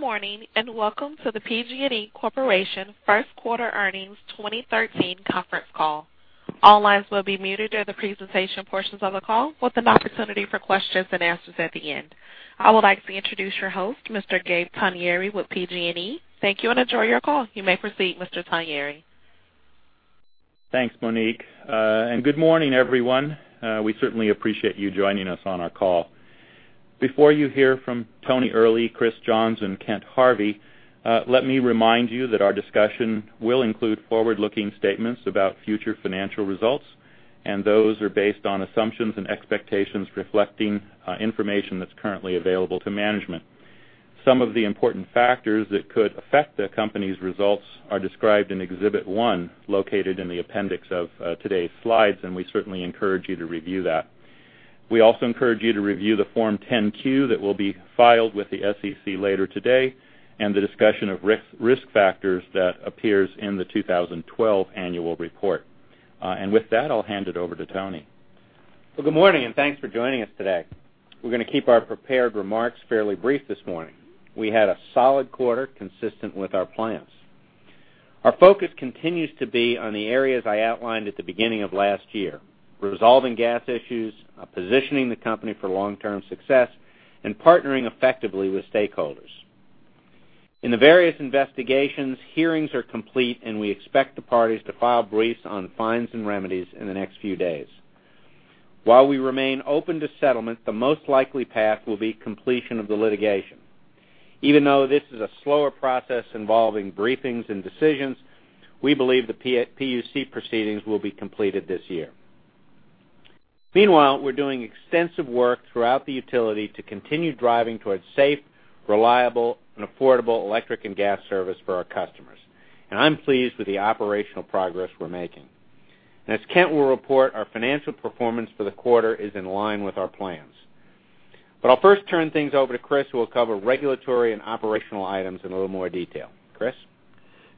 Good morning, welcome to the PG&E Corporation first quarter earnings 2013 conference call. All lines will be muted during the presentation portions of the call, with an opportunity for questions and answers at the end. I would like to introduce your host, Mr. Gabe Togneri with PG&E. Thank you, enjoy your call. You may proceed, Mr. Togneri. Thanks, Monique. Good morning, everyone. We certainly appreciate you joining us on our call. Before you hear from Tony Earley, Chris Johns, and Kent Harvey, let me remind you that our discussion will include forward-looking statements about future financial results, and those are based on assumptions and expectations reflecting information that's currently available to management. Some of the important factors that could affect the company's results are described in Exhibit 1, located in the appendix of today's slides, and we certainly encourage you to review that. We also encourage you to review the Form 10-Q that will be filed with the SEC later today, and the discussion of risk factors that appears in the 2012 annual report. With that, I'll hand it over to Tony. Well, good morning, and thanks for joining us today. We're going to keep our prepared remarks fairly brief this morning. We had a solid quarter consistent with our plans. Our focus continues to be on the areas I outlined at the beginning of last year, resolving gas issues, positioning the company for long-term success, and partnering effectively with stakeholders. In the various investigations, hearings are complete, and we expect the parties to file briefs on fines and remedies in the next few days. While we remain open to settlement, the most likely path will be completion of the litigation. Even though this is a slower process involving briefings and decisions, we believe the PUC proceedings will be completed this year. Meanwhile, we're doing extensive work throughout the utility to continue driving towards safe, reliable, and affordable electric and gas service for our customers. I'm pleased with the operational progress we're making. As Kent will report, our financial performance for the quarter is in line with our plans. I'll first turn things over to Chris, who will cover regulatory and operational items in a little more detail. Chris?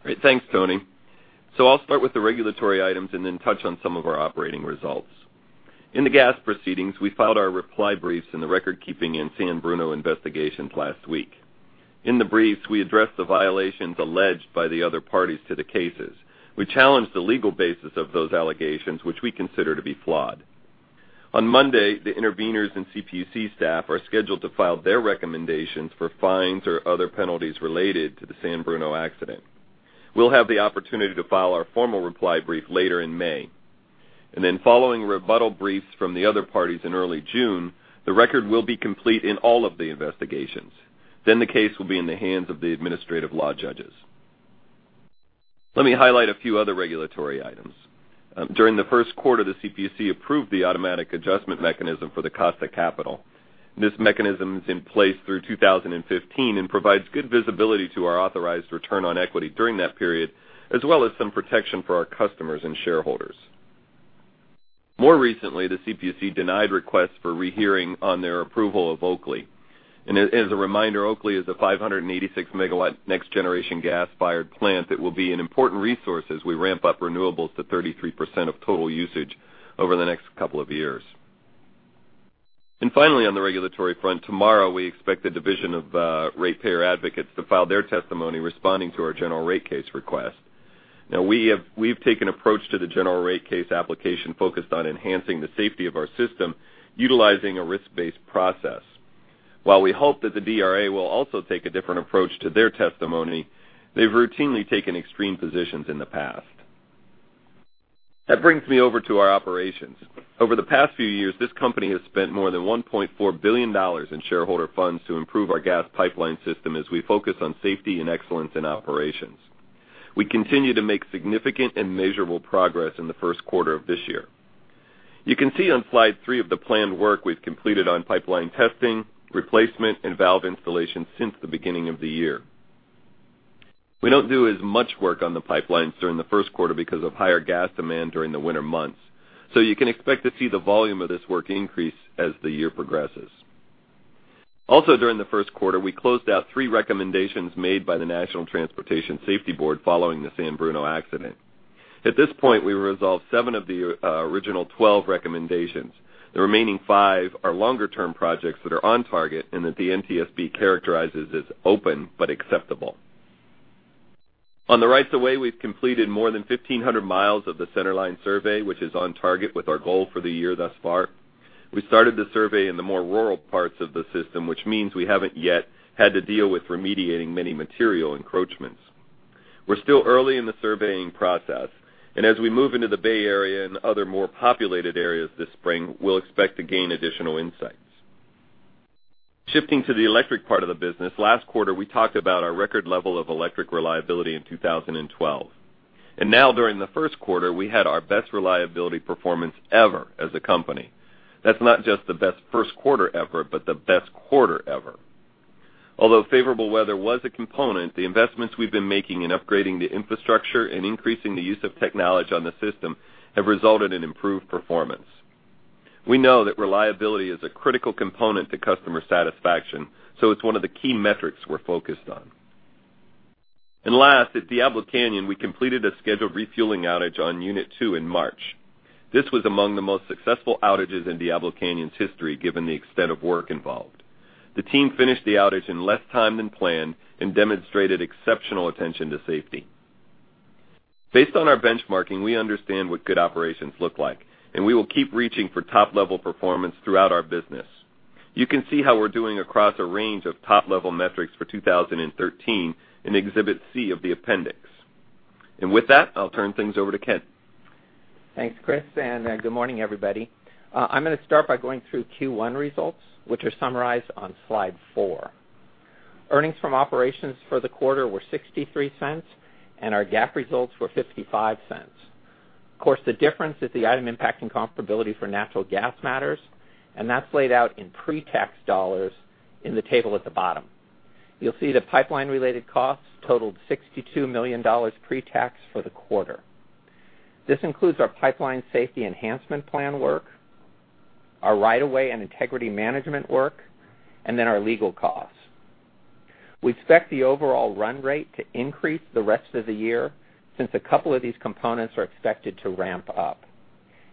Great. Thanks, Tony. I'll start with the regulatory items and then touch on some of our operating results. In the gas proceedings, we filed our reply briefs in the recordkeeping and San Bruno investigations last week. In the briefs, we addressed the violations alleged by the other parties to the cases. We challenged the legal basis of those allegations, which we consider to be flawed. On Monday, the interveners and CPUC staff are scheduled to file their recommendations for fines or other penalties related to the San Bruno accident. We'll have the opportunity to file our formal reply brief later in May. Following rebuttal briefs from the other parties in early June, the record will be complete in all of the investigations. The case will be in the hands of the administrative law judges. Let me highlight a few other regulatory items. During the first quarter, the CPUC approved the automatic adjustment mechanism for the cost of capital. This mechanism is in place through 2015 and provides good visibility to our authorized return on equity during that period, as well as some protection for our customers and shareholders. More recently, the CPUC denied requests for rehearing on their approval of Oakley. As a reminder, Oakley is a 586-megawatt next-generation gas-fired plant that will be an important resource as we ramp up renewables to 33% of total usage over the next couple of years. Finally, on the regulatory front, tomorrow, we expect the Division of Ratepayer Advocates to file their testimony responding to our general rate case request. We've taken approach to the general rate case application focused on enhancing the safety of our system, utilizing a risk-based process. While we hope that the DRA will also take a different approach to their testimony, they've routinely taken extreme positions in the past. This brings me over to our operations. Over the past few years, this company has spent more than $1.4 billion in shareholder funds to improve our gas pipeline system as we focus on safety and excellence in operations. We continue to make significant and measurable progress in the first quarter of this year. You can see on slide three of the planned work we've completed on pipeline testing, replacement, and valve installation since the beginning of the year. We don't do as much work on the pipelines during the first quarter because of higher gas demand during the winter months. You can expect to see the volume of this work increase as the year progresses. Also during the first quarter, we closed out three recommendations made by the National Transportation Safety Board following the San Bruno accident. At this point, we resolved seven of the original 12 recommendations. The remaining five are longer-term projects that are on target and that the NTSB characterizes as open but acceptable. On the rights of way, we've completed more than 1,500 miles of the centerline survey, which is on target with our goal for the year thus far. We started the survey in the more rural parts of the system, which means we haven't yet had to deal with remediating many material encroachments. As we move into the Bay Area and other more populated areas this spring, we'll expect to gain additional insights. Shifting to the electric part of the business, last quarter, we talked about our record level of electric reliability in 2012. Now during the first quarter, we had our best reliability performance ever as a company. That's not just the best first quarter ever, but the best quarter ever. Although favorable weather was a component, the investments we've been making in upgrading the infrastructure and increasing the use of technology on the system have resulted in improved performance. We know that reliability is a critical component to customer satisfaction, so it's one of the key metrics we're focused on. Last, at Diablo Canyon, we completed a scheduled refueling outage on unit 2 in March. This was among the most successful outages in Diablo Canyon's history, given the extent of work involved. The team finished the outage in less time than planned and demonstrated exceptional attention to safety. Based on our benchmarking, we understand what good operations look like, and we will keep reaching for top-level performance throughout our business. You can see how we're doing across a range of top-level metrics for 2013 in Exhibit C of the appendix. With that, I'll turn things over to Kent. Thanks, Chris, good morning, everybody. I'm going to start by going through Q1 results, which are summarized on slide four. Earnings from operations for the quarter were $0.63, and our GAAP results were $0.55. Of course, the difference is the item impacting comparability for natural gas matters, that's laid out in pre-tax dollars in the table at the bottom. You'll see the pipeline-related costs totaled $62 million pre-tax for the quarter. This includes our Pipeline Safety Enhancement Plan work, our right-of-way and integrity management work, then our legal costs. We expect the overall run rate to increase the rest of the year since a couple of these components are expected to ramp up.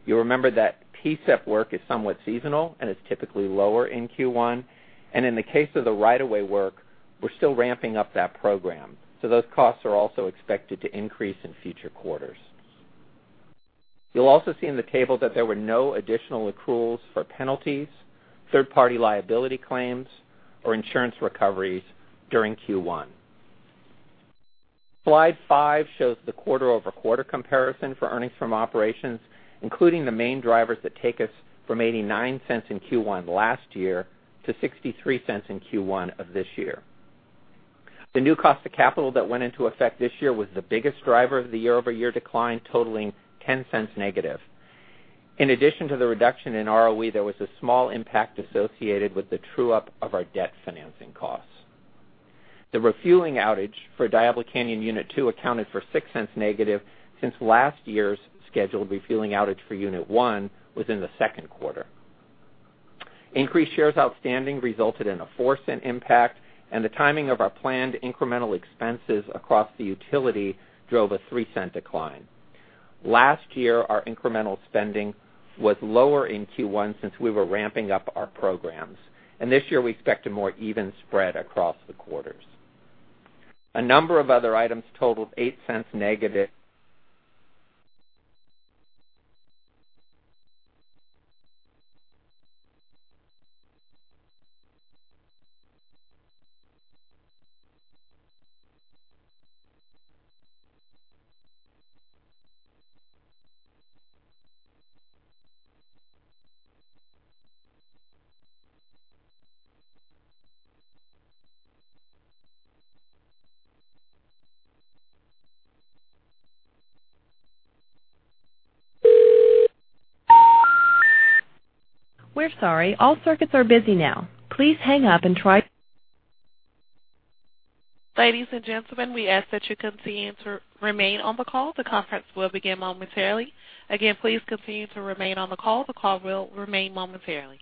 You'll remember that PSEP work is somewhat seasonal and is typically lower in Q1. In the case of the right-of-way work, we're still ramping up that program. Those costs are also expected to increase in future quarters. You'll also see in the table that there were no additional accruals for penalties, third-party liability claims, or insurance recoveries during Q1. Slide five shows the quarter-over-quarter comparison for earnings from operations, including the main drivers that take us from $0.89 in Q1 last year to $0.63 in Q1 of this year. The new cost of capital that went into effect this year was the biggest driver of the year-over-year decline, totaling $0.10 negative. In addition to the reduction in ROE, there was a small impact associated with the true-up of our debt financing costs. The refueling outage for Diablo Canyon Unit 2 accounted for $0.06 negative since last year's scheduled refueling outage for unit 1 was in the second quarter. Increased shares outstanding resulted in a $0.04 impact, and the timing of our planned incremental expenses across the utility drove a $0.03 decline. Last year, our incremental spending was lower in Q1 since we were ramping up our programs. This year, we expect a more even spread across the quarters. A number of other items totaled $0.08 negative. We're sorry, all circuits are busy now. Please hang up and try. Ladies and gentlemen, we ask that you continue to remain on the call. The conference will begin momentarily. Again, please continue to remain on the call. The call will remain momentarily.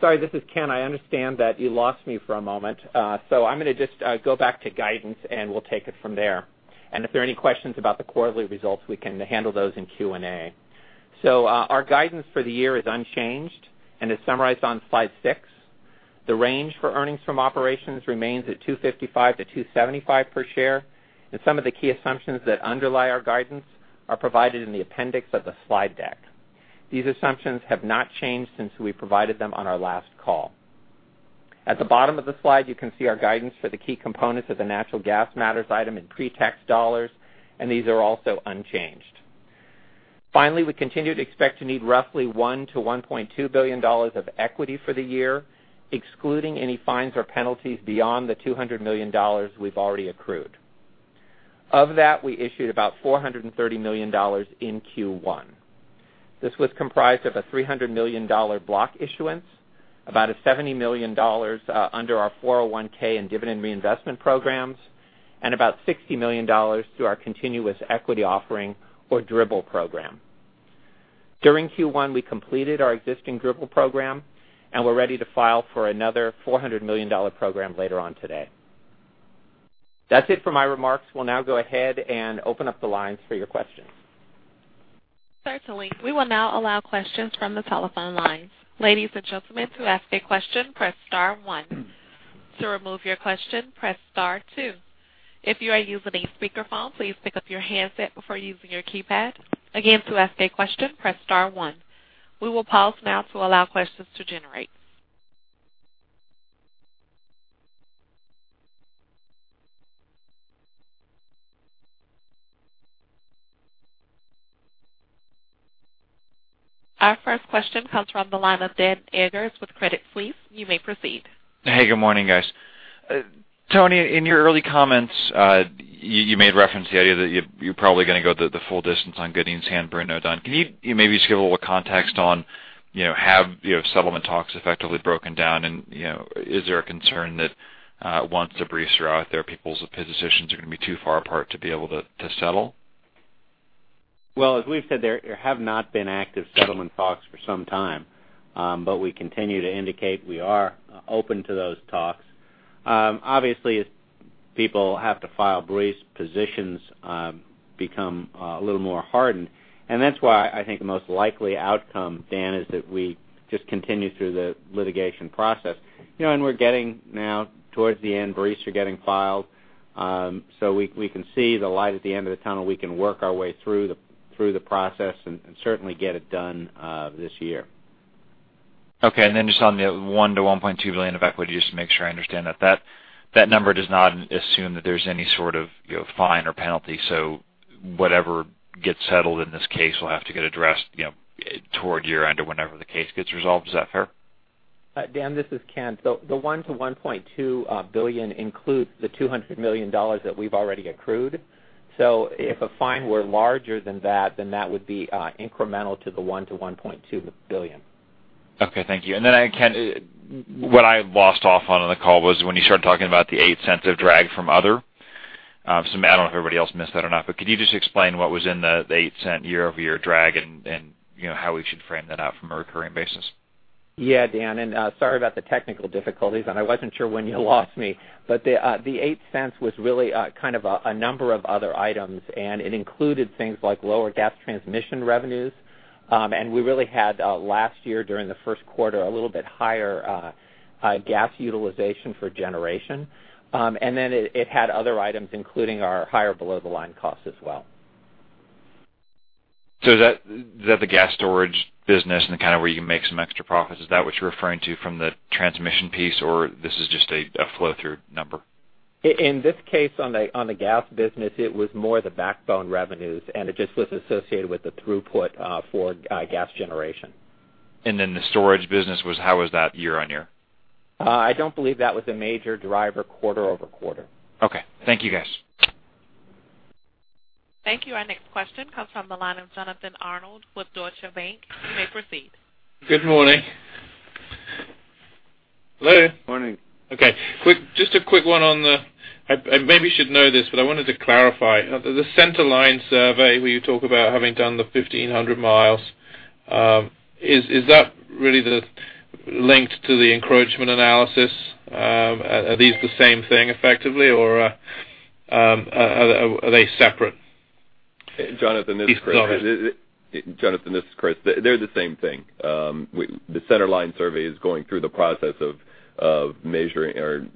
Sorry, this is Kent. I understand that you lost me for a moment. I'm going to just go back to guidance, and we'll take it from there. If there are any questions about the quarterly results, we can handle those in Q&A. Our guidance for the year is unchanged and is summarized on slide six. The range for earnings from operations remains at $2.55-$2.75 per share. Some of the key assumptions that underlie our guidance are provided in the appendix of the slide deck. These assumptions have not changed since we provided them on our last call. At the bottom of the slide, you can see our guidance for the key components of the natural gas matters item in pre-tax dollars, these are also unchanged. Finally, we continue to expect to need roughly $1 billion-$1.2 billion of equity for the year, excluding any fines or penalties beyond the $200 million we've already accrued. Of that, we issued about $430 million in Q1. This was comprised of a $300 million block issuance, about a $70 million under our 401 and dividend reinvestment programs, and about $60 million through our continuous equity offering or DRIP program. During Q1, we completed our existing DRIP program, and we're ready to file for another $400 million program later on today. That's it for my remarks. We'll now go ahead and open up the lines for your questions. Certainly. We will now allow questions from the telephone lines. Ladies and gentlemen, to ask a question, press star one. To remove your question, press star two. If you are using a speakerphone, please pick up your handset before using your keypad. Again, to ask a question, press star one. We will pause now to allow questions to generate. Our first question comes from the line of Dan Eggers with Credit Suisse. You may proceed. Hey, good morning, guys. Tony, in your early comments, you made reference to the idea that you're probably going to go the full distance on getting San Bruno done. Can you maybe just give a little context on have settlement talks effectively broken down? Is there a concern that once the briefs are out there, people's positions are going to be too far apart to be able to settle? Well, as we've said, there have not been active settlement talks for some time. We continue to indicate we are open to those talks. Obviously, people have to file briefs, positions become a little more hardened, that's why I think the most likely outcome, Dan, is that we just continue through the litigation process. We're getting now towards the end. Briefs are getting filed. We can see the light at the end of the tunnel. We can work our way through the process and certainly get it done this year. Okay. Then just on the $1 billion-$1.2 billion of equity, just to make sure I understand that. That number does not assume that there's any sort of fine or penalty, whatever gets settled in this case will have to get addressed toward year-end or whenever the case gets resolved. Is that fair? Dan, this is Kent. The $1 billion-$1.2 billion includes the $200 million that we've already accrued. If a fine were larger than that would be incremental to the $1 billion-$1.2 billion. Okay, thank you. Kent, what I lost off on the call was when you started talking about the $0.08 of drag from other. I don't know if everybody else missed that or not, but could you just explain what was in the $0.08 year-over-year drag and how we should frame that out from a recurring basis? Yeah, Dan, sorry about the technical difficulties, I wasn't sure when you lost me. The $0.08 was really kind of a number of other items, it included things like lower gas transmission revenues. We really had last year, during the first quarter, a little bit higher gas utilization for generation. It had other items, including our higher below-the-line cost as well. Is that the gas storage business and the kind where you can make some extra profits? Is that what you're referring to from the transmission piece, or this is just a flow-through number? In this case, on the gas business, it was more the backbone revenues. It just was associated with the throughput for gas generation. The storage business was, how was that year-over-year? I don't believe that was a major driver quarter-over-quarter. Okay. Thank you, guys. Thank you. Our next question comes from the line of Jonathan Arnold with Deutsche Bank. You may proceed. Good morning. Hello? Morning. Okay. Just a quick one. I maybe should know this, but I wanted to clarify. The centerline survey where you talk about having done the 1,500 miles, is that really the link to the encroachment analysis? Are these the same thing effectively, or are they separate? Jonathan, this is Chris. They're the same thing. The centerline survey is going through the process of measuring or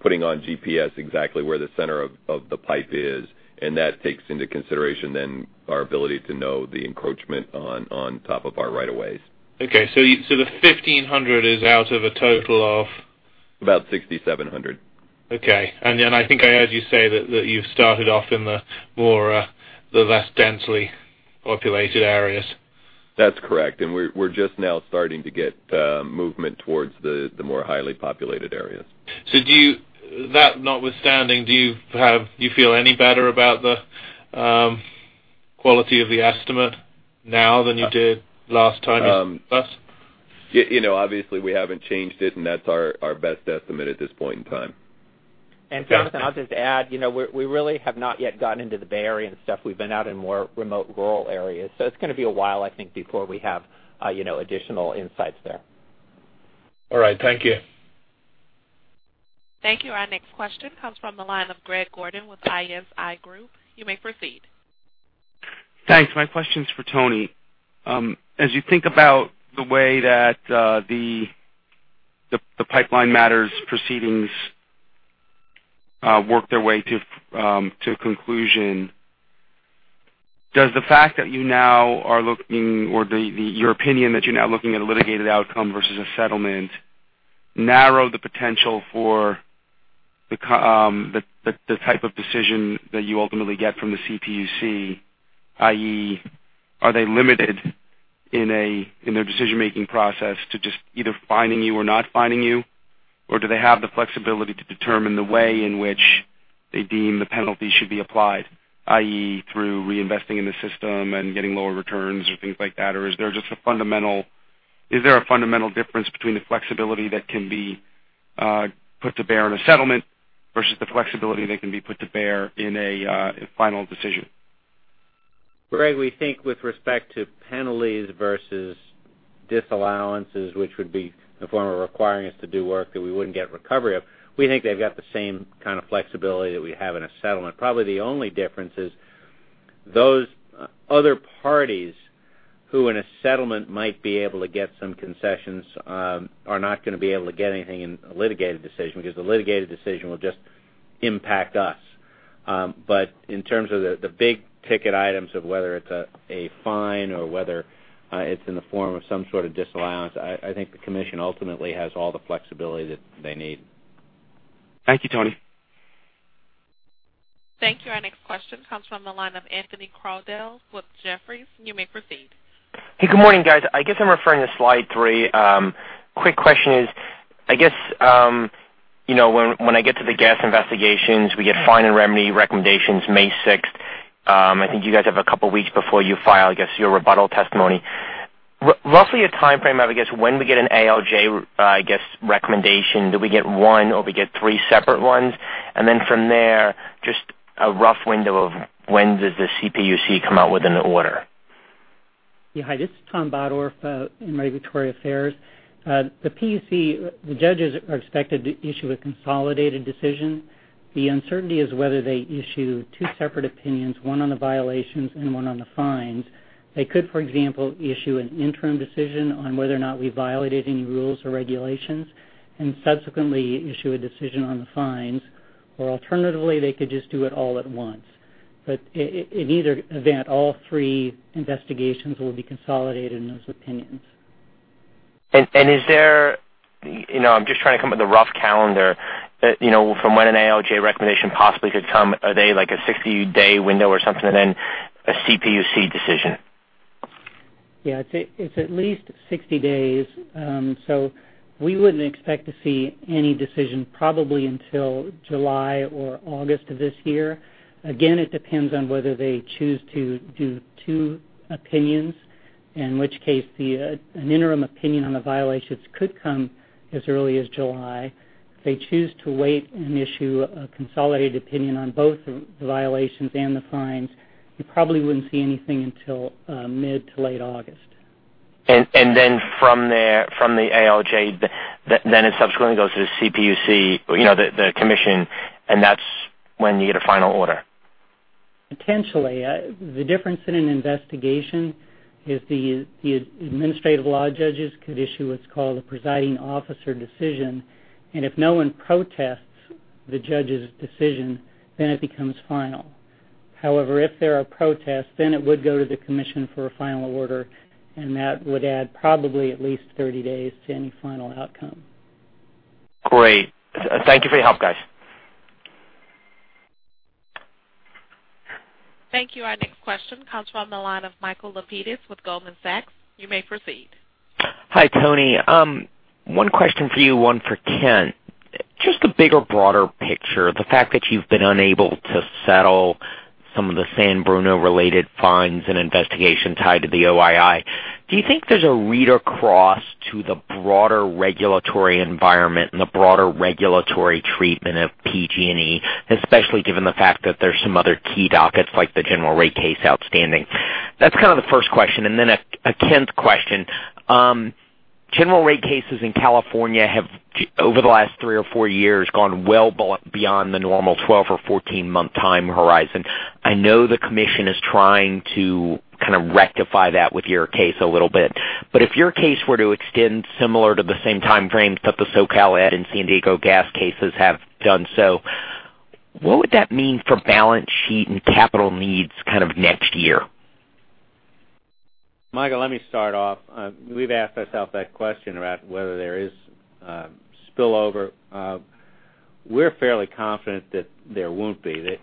putting on GPS exactly where the center of the pipe is. That takes into consideration then our ability to know the encroachment on top of our right of ways. Okay. The 1,500 is out of a total of? About 6,700. Okay. I think I heard you say that you've started off in the less densely populated areas. That's correct. We're just now starting to get movement towards the more highly populated areas. That notwithstanding, do you feel any better about the quality of the estimate now than you did last time you spoke to us? Obviously, we haven't changed it, that's our best estimate at this point in time. Jonathan, I'll just add, we really have not yet gotten into the Bay Area and stuff. We've been out in more remote rural areas. It's going to be a while, I think, before we have additional insights there. All right. Thank you. Thank you. Our next question comes from the line of Greg Gordon with ISI Group. You may proceed. Thanks. My question's for Tony. As you think about the way that the Pipeline Matters proceedings work their way to conclusion, does the fact that you now are looking or your opinion that you're now looking at a litigated outcome versus a settlement narrow the potential for the type of decision that you ultimately get from the CPUC, i.e., are they limited in their decision-making process to just either fining you or not fining you? Or do they have the flexibility to determine the way in which they deem the penalty should be applied, i.e., through reinvesting in the system and getting lower returns or things like that? Or is there a fundamental difference between the flexibility that can be put to bear in a settlement versus the flexibility that can be put to bear in a final decision? Greg, we think with respect to penalties versus disallowances, which would be a form of requiring us to do work that we wouldn't get recovery of, we think they've got the same kind of flexibility that we have in a settlement. Probably the only difference is those other parties who in a settlement might be able to get some concessions are not going to be able to get anything in a litigated decision, because the litigated decision will just impact us. In terms of the big-ticket items of whether it's a fine or whether it's in the form of some sort of disallowance, I think the commission ultimately has all the flexibility that they need. Thank you, Tony. Thank you. Our next question comes from the line of Anthony Crowdell with Jefferies. You may proceed. Hey, good morning, guys. I guess I'm referring to slide three. Quick question is, I guess, when I get to the gas investigations, we get fine and remedy recommendations May 6th. I think you guys have a couple of weeks before you file, I guess, your rebuttal testimony. Roughly a timeframe of, I guess, when we get an ALJ recommendation, do we get one or we get three separate ones? Then from there, just a rough window of when does the CPUC come out with an order? Yeah. Hi, this is Thomas Bottorff, in regulatory affairs. The judges are expected to issue a consolidated decision. The uncertainty is whether they issue two separate opinions, one on the violations and one on the fines. They could, for example, issue an interim decision on whether or not we violated any rules or regulations and subsequently issue a decision on the fines, or alternatively, they could just do it all at once. In either event, all three investigations will be consolidated in those opinions. Is there, I'm just trying to come up with a rough calendar, from when an ALJ recommendation possibly could come. Are they like a 60-day window or something, and then a CPUC decision? Yeah, it's at least 60 days. We wouldn't expect to see any decision probably until July or August of this year. Again, it depends on whether they choose to do two opinions, in which case an interim opinion on the violations could come as early as July. If they choose to wait and issue a consolidated opinion on both the violations and the fines, you probably wouldn't see anything until mid to late August. From the ALJ, it subsequently goes to the CPUC, the commission, that's when you get a final order? Potentially. The difference in an investigation is the administrative law judges could issue what's called a presiding officer's decision, if no one protests the judge's decision, it becomes final. However, if there are protests, it would go to the commission for a final order, that would add probably at least 30 days to any final outcome. Great. Thank you for your help, guys. Thank you. Our next question comes from the line of Michael Lapides with Goldman Sachs. You may proceed. Hi, Tony. One question for you, one for Kent. Just a bigger, broader picture. The fact that you've been unable to settle some of the San Bruno-related fines and investigations tied to the OII, do you think there's a read across to the broader regulatory environment and the broader regulatory treatment of PG&E, especially given the fact that there's some other key dockets like the general rate case outstanding? That's kind of the first question. Then a Kent question. General rate cases in California have, over the last three or four years, gone well beyond the normal 12 or 14-month time horizon. I know the commission is trying to kind of rectify that with your case a little bit, if your case were to extend similar to the same time frames that the SoCal Ed and San Diego Gas cases have done so, what would that mean for balance sheet and capital needs kind of next year? Michael, let me start off. We've asked ourselves that question about whether there is spillover. We're fairly confident that there won't be.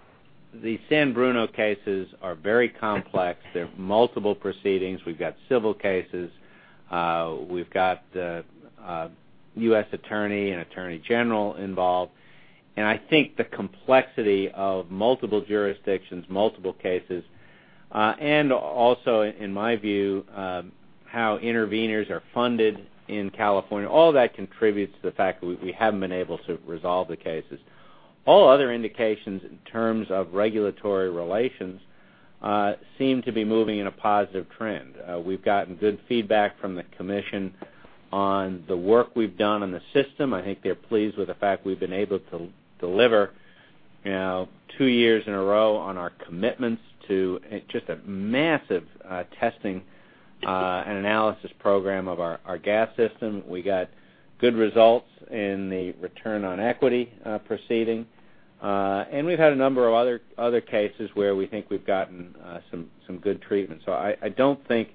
The San Bruno cases are very complex. They're multiple proceedings. We've got civil cases. We've got the U.S. Attorney and Attorney General involved. I think the complexity of multiple jurisdictions, multiple cases, and also, in my view, how interveners are funded in California, all that contributes to the fact that we haven't been able to resolve the cases. All other indications in terms of regulatory relations seem to be moving in a positive trend. We've gotten good feedback from the commission on the work we've done on the system. I think they're pleased with the fact we've been able to deliver two years in a row on our commitments to just a massive testing and analysis program of our gas system. We got good results in the return on equity proceeding. We've had a number of other cases where we think we've gotten some good treatment. I don't think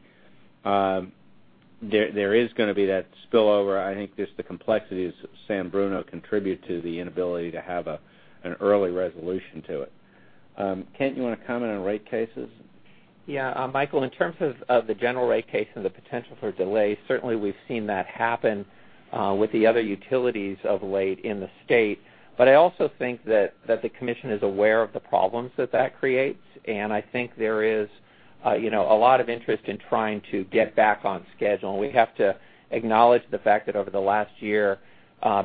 there is going to be that spillover. I think just the complexities of San Bruno contribute to the inability to have an early resolution to it. Kent, you want to comment on rate cases? Yeah. Michael, in terms of the general rate case and the potential for delay, certainly we've seen that happen with the other utilities of late in the state. I also think that the commission is aware of the problems that that creates, and I think there is a lot of interest in trying to get back on schedule. We have to acknowledge the fact that over the last year,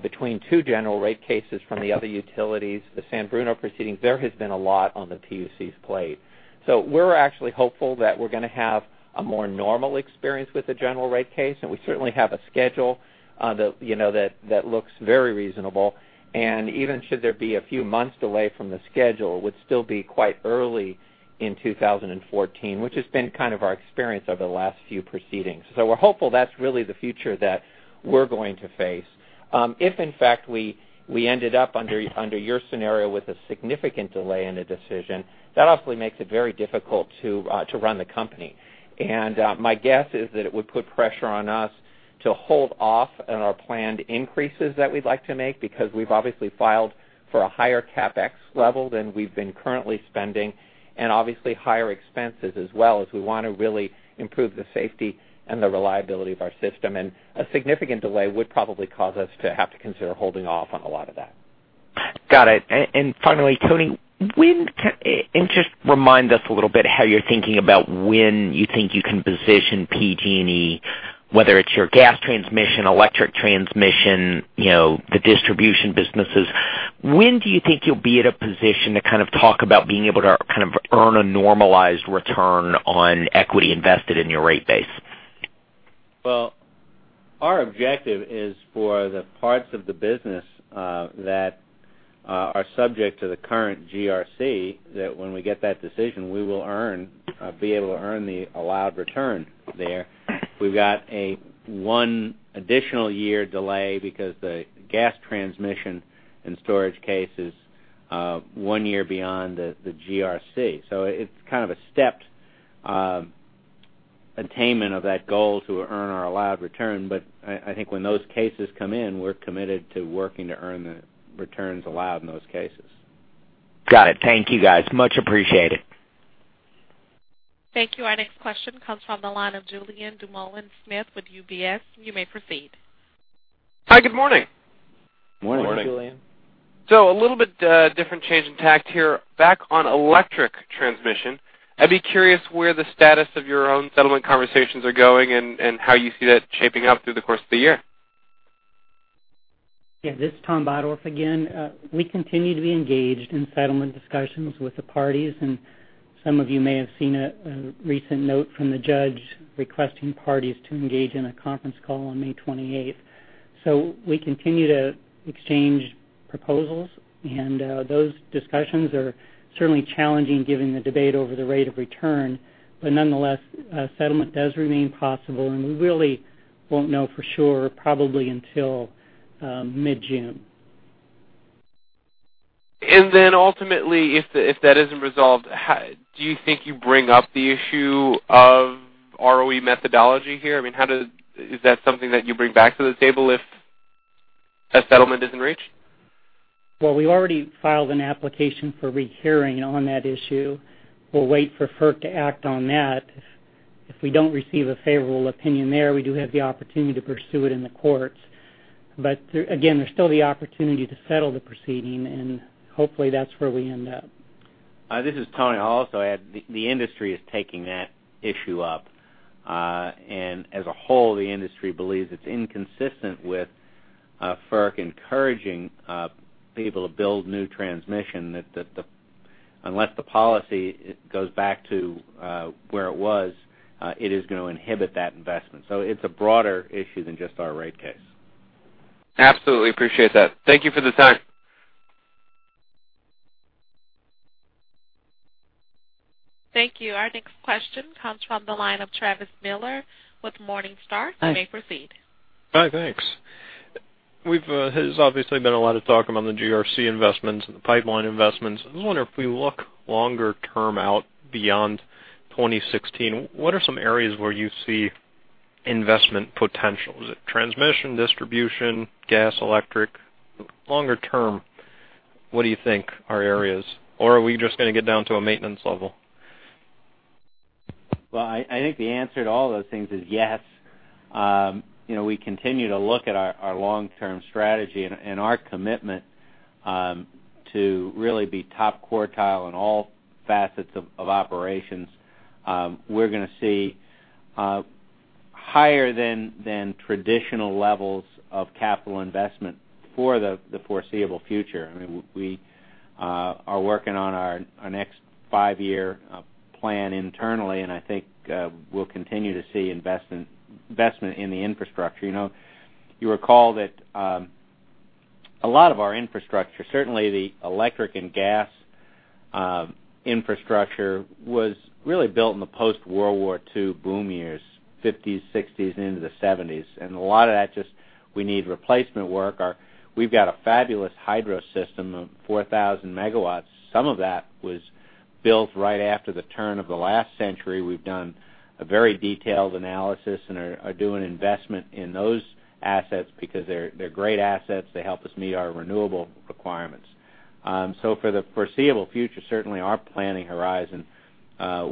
between two general rate cases from the other utilities, the San Bruno proceedings, there has been a lot on the PUC's plate. We're actually hopeful that we're going to have a more normal experience with the general rate case, and we certainly have a schedule that looks very reasonable. Even should there be a few months delay from the schedule, would still be quite early in 2014, which has been kind of our experience over the last few proceedings. We're hopeful that's really the future that we're going to face. If in fact, we ended up under your scenario with a significant delay in a decision, that obviously makes it very difficult to run the company. My guess is that it would put pressure on us to hold off on our planned increases that we'd like to make because we've obviously filed for a higher CapEx level than we've been currently spending, and obviously higher expenses as well as we want to really improve the safety and the reliability of our system. A significant delay would probably cause us to have to consider holding off on a lot of that. Got it. Finally, Tony, and just remind us a little bit how you're thinking about when you think you can position PG&E, whether it's your gas transmission, electric transmission, the distribution businesses. When do you think you'll be at a position to talk about being able to earn a normalized return on equity invested in your rate base? Well, our objective is for the parts of the business that are subject to the current GRC, that when we get that decision, we will be able to earn the allowed return there. We've got a one additional year delay because the gas transmission and storage case is one year beyond the GRC. It's kind of a stepped attainment of that goal to earn our allowed return. I think when those cases come in, we're committed to working to earn the returns allowed in those cases. Got it. Thank you, guys. Much appreciated. Thank you. Our next question comes from the line of Julien Dumoulin-Smith with UBS. You may proceed. Hi, good morning. Morning. Morning, Julien. A little bit different change in tack here. Back on electric transmission, I would be curious where the status of your own settlement conversations are going, and how you see that shaping up through the course of the year. Yeah, this is Thomas Bottorff again. We continue to be engaged in settlement discussions with the parties, and some of you may have seen a recent note from the judge requesting parties to engage in a conference call on May 28th. We continue to exchange proposals, and those discussions are certainly challenging given the debate over the rate of return. Nonetheless, a settlement does remain possible, and we really will not know for sure probably until mid-June. Then ultimately, if that is not resolved, do you think you bring up the issue of ROE methodology here? Is that something that you bring back to the table if a settlement is not reached? We already filed an application for rehearing on that issue. We'll wait for FERC to act on that. If we don't receive a favorable opinion there, we do have the opportunity to pursue it in the courts. Again, there's still the opportunity to settle the proceeding, and hopefully that's where we end up. This is Tony Earley. The industry is taking that issue up. As a whole, the industry believes it's inconsistent with FERC encouraging people to build new transmission. That unless the policy goes back to where it was, it is going to inhibit that investment. It's a broader issue than just our rate case. Absolutely appreciate that. Thank you for the time. Thank you. Our next question comes from the line of Travis Miller with Morningstar. Hi. You may proceed. Hi, thanks. There's obviously been a lot of talk among the GRC investments and the pipeline investments. I was wondering if we look longer term out beyond 2016, what are some areas where you see investment potential? Is it transmission, distribution, gas, electric? Longer term, what do you think are areas? Or are we just going to get down to a maintenance level? Well, I think the answer to all those things is yes. We continue to look at our long-term strategy and our commitment to really be top quartile in all facets of operations. We're going to see higher than traditional levels of capital investment for the foreseeable future. We are working on our next five-year plan internally, I think we'll continue to see investment in the infrastructure. You recall that a lot of our infrastructure, certainly the electric and gas infrastructure, was really built in the post-World War II boom years, '50s, '60s, into the '70s. A lot of that just we need replacement work. We've got a fabulous hydro system of 4,000 megawatts. Some of that was built right after the turn of the last century. We've done a very detailed analysis and are doing investment in those assets because they're great assets. They help us meet our renewable requirements. For the foreseeable future, certainly our planning horizon,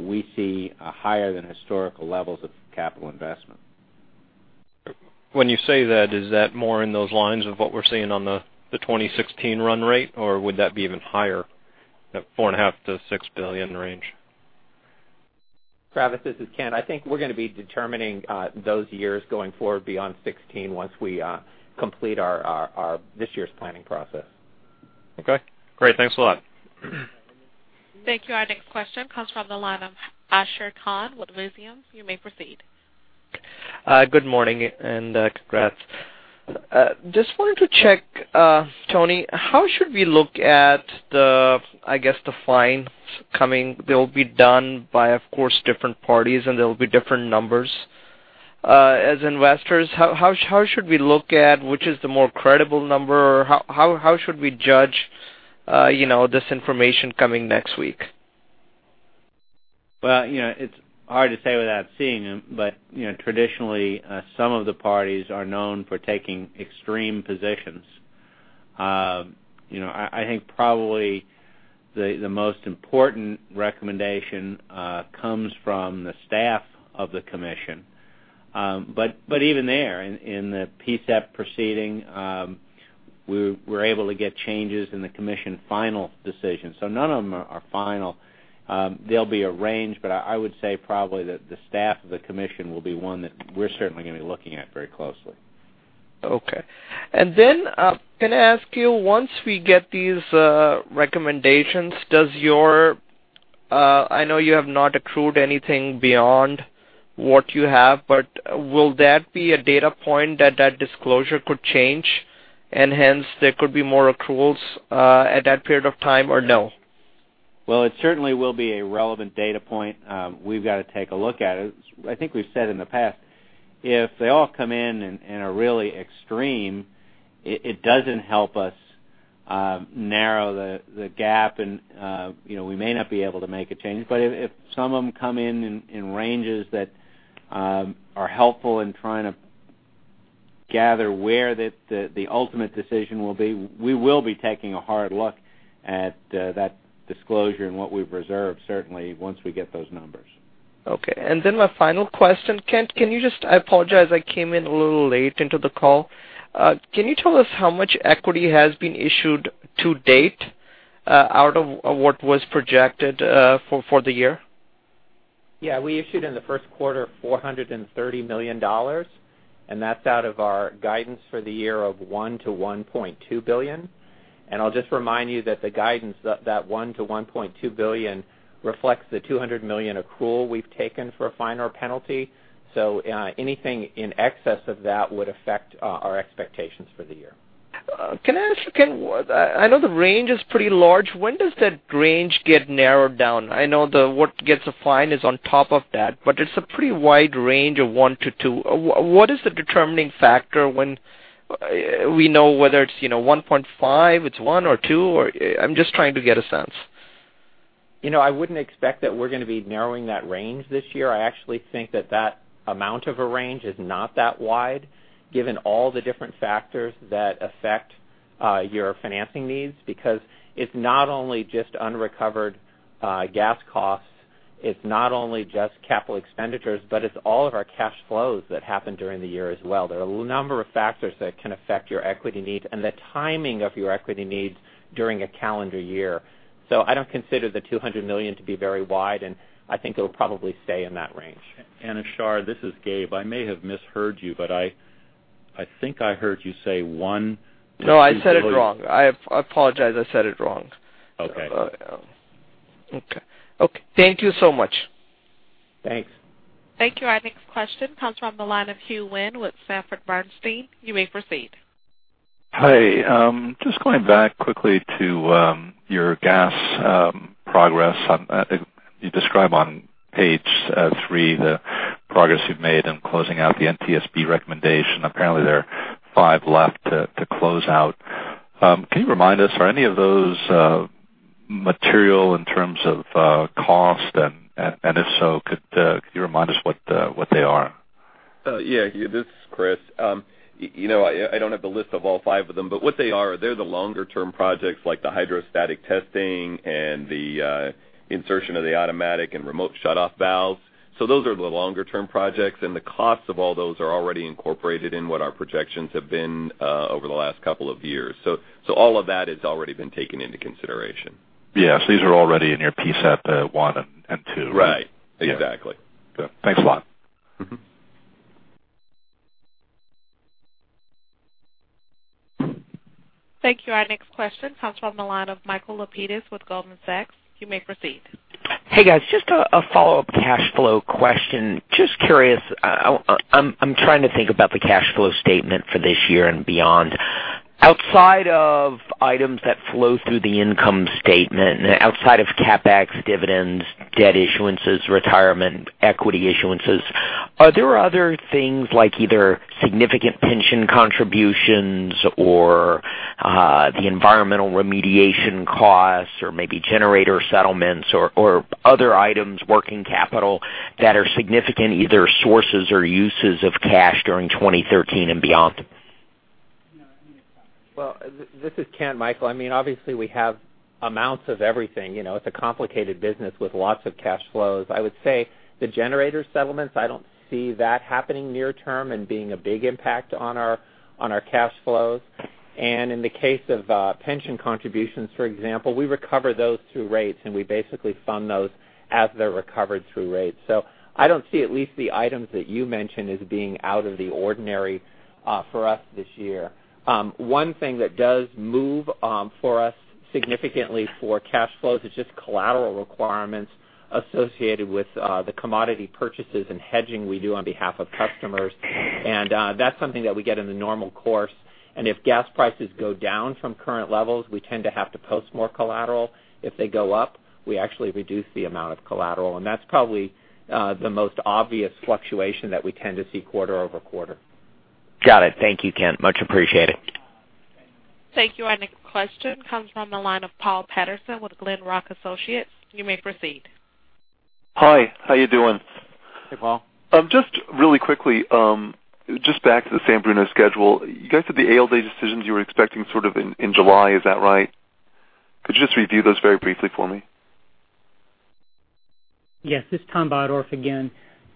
we see higher than historical levels of capital investment. When you say that, is that more in those lines of what we're seeing on the 2016 run rate, or would that be even higher, that $4.5 billion-$6 billion range? Travis, this is Kent. I think we're going to be determining those years going forward beyond 2016 once we complete this year's planning process. Okay, great. Thanks a lot. Thank you. Our next question comes from the line of Ashar Khan with Visium. You may proceed. Good morning, and congrats. Just wanted to check, Tony, how should we look at the fines coming? They'll be done by, of course, different parties, and there'll be different numbers. As investors, how should we look at which is the more credible number, or how should we judge this information coming next week? Well, it's hard to say without seeing them, but traditionally, some of the parties are known for taking extreme positions. I think probably The most important recommendation comes from the staff of the commission. Even there, in the PSEP proceeding, we were able to get changes in the commission final decision. None of them are final. They'll be arranged, but I would say probably that the staff of the commission will be one that we're certainly going to be looking at very closely. Okay. Can I ask you, once we get these recommendations, I know you have not accrued anything beyond what you have, but will that be a data point that that disclosure could change, and hence there could be more accruals at that period of time or no? Well, it certainly will be a relevant data point. We've got to take a look at it. I think we've said in the past, if they all come in and are really extreme, it doesn't help us narrow the gap and we may not be able to make a change. If some of them come in ranges that are helpful in trying to gather where the ultimate decision will be, we will be taking a hard look at that disclosure and what we've reserved, certainly once we get those numbers. Okay. My final question. Kent, I apologize I came in a little late into the call. Can you tell us how much equity has been issued to date out of what was projected for the year? Yeah. We issued in the first quarter $430 million, that's out of our guidance for the year of $1 billion-$1.2 billion. I'll just remind you that the guidance, that $1 billion-$1.2 billion reflects the $200 million accrual we've taken for a fine or penalty. Anything in excess of that would affect our expectations for the year. Can I ask you, Kent, I know the range is pretty large. When does that range get narrowed down? I know what gets a fine is on top of that, but it's a pretty wide range of $1 billion-$2 billion. What is the determining factor when we know whether it's $1.5 billion, it's $1 billion or $2 billion? I'm just trying to get a sense. I wouldn't expect that we're going to be narrowing that range this year. I actually think that that amount of a range is not that wide, given all the different factors that affect your financing needs. It's not only just unrecovered gas costs, it's not only just capital expenditures, but it's all of our cash flows that happen during the year as well. There are a number of factors that can affect your equity needs and the timing of your equity needs during a calendar year. I don't consider the $200 million to be very wide, and I think it will probably stay in that range. Ashar, this is Gabe. I may have misheard you, but I think I heard you say $1 billion to $2 billion. No, I said it wrong. I apologize, I said it wrong. Okay. Okay. Thank you so much. Thanks. Thank you. Our next question comes from the line of Hugh Wynne with Sanford Bernstein. You may proceed. Hi. Just going back quickly to your gas progress. You describe on page three the progress you've made in closing out the NTSB recommendation. Apparently, there are five left to close out. Can you remind us, are any of those material in terms of cost? If so, could you remind us what they are? Yeah. Hugh, this is Chris. I don't have the list of all five of them, what they are, they're the longer term projects like the hydrostatic testing and the insertion of the automatic and remote shutoff valves. Those are the longer term projects, and the costs of all those are already incorporated in what our projections have been over the last couple of years. All of that has already been taken into consideration. Yes. These are already in your PSEP one and two. Right. Exactly. Good. Thanks a lot. Thank you. Our next question comes from the line of Michael Lapides with Goldman Sachs. You may proceed. Hey, guys. Just a follow-up cash flow question. Just curious, I'm trying to think about the cash flow statement for this year and beyond. Outside of items that flow through the income statement, outside of CapEx, dividends, debt issuances, retirement, equity issuances, are there other things like either significant pension contributions or the environmental remediation costs or maybe generator settlements or other items, working capital, that are significant, either sources or uses of cash during 2013 and beyond? Well, this is Kent, Michael. Obviously, we have amounts of everything. It's a complicated business with lots of cash flows. I would say the generator settlements, I don't see that happening near term and being a big impact on our cash flows. In the case of pension contributions, for example, we recover those through rates, and we basically fund those as they're recovered through rates. I don't see at least the items that you mentioned as being out of the ordinary for us this year. One thing that does move for us significantly for cash flows is just collateral requirements associated with the commodity purchases and hedging we do on behalf of customers. That's something that we get in the normal course, and if gas prices go down from current levels, we tend to have to post more collateral. If they go up, we actually reduce the amount of collateral, and that's probably the most obvious fluctuation that we tend to see quarter-over-quarter. Got it. Thank you, Kent. Much appreciated. Thank you. Our next question comes from the line of Paul Patterson with Glenrock Associates. You may proceed. Hi, how you doing? Hey, Paul. Just really quickly, just back to the San Bruno schedule. You guys said the ALJ decisions you were expecting sort of in July. Is that right? Could you just review those very briefly for me? Yes, this is Thomas Bottorff again.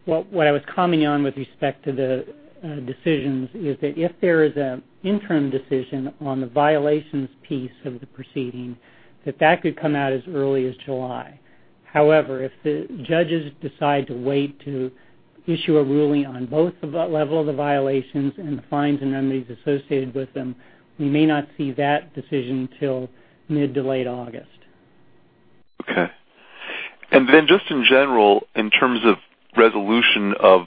What I was commenting on with respect to the decisions is that if there is an interim decision on the violations piece of the proceeding, that that could come out as early as July. However, if the judges decide to wait to issue a ruling on both the level of the violations and the fines and penalties associated with them, we may not see that decision till mid to late August. Okay. Just in general, in terms of resolution of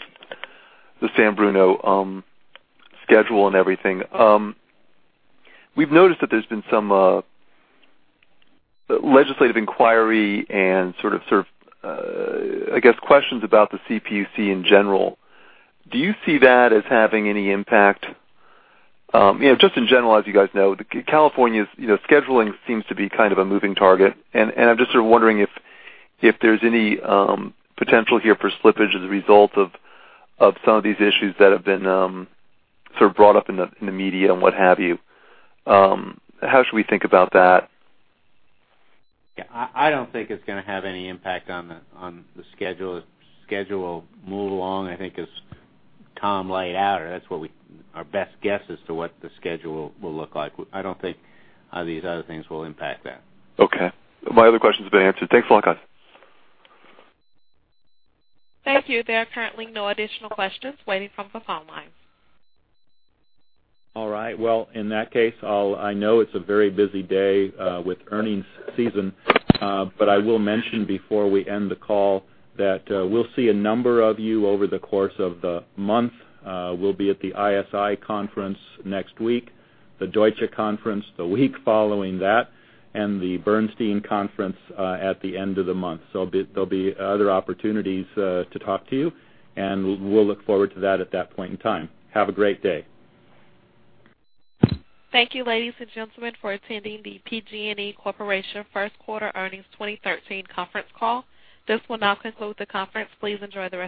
the San Bruno schedule and everything, we've noticed that there's been some legislative inquiry and sort of, I guess, questions about the CPUC in general. Do you see that as having any impact? Just in general, as you guys know, California's scheduling seems to be kind of a moving target, and I'm just sort of wondering if there's any potential here for slippage as a result of some of these issues that have been sort of brought up in the media and what have you. How should we think about that? Yeah. I don't think it's going to have any impact on the schedule. Schedule will move along, I think as Tom laid out, or that's our best guess as to what the schedule will look like. I don't think these other things will impact that. Okay. My other questions have been answered. Thanks a lot, guys. Thank you. There are currently no additional questions waiting from the phone lines. All right. Well, in that case, I know it's a very busy day with earnings season. I will mention before we end the call that we'll see a number of you over the course of the month. We'll be at the ISI conference next week, the Deutsche conference the week following that, and the Bernstein conference, at the end of the month. There'll be other opportunities to talk to you, and we'll look forward to that at that point in time. Have a great day. Thank you, ladies and gentlemen, for attending the PG&E Corporation First Quarter Earnings 2013 conference call. This will now conclude the conference. Please enjoy the rest of your day.